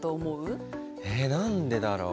え何でだろう？